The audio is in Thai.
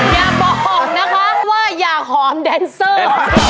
อย่าบอกนะคะว่าอย่าหอมแดนเซอร์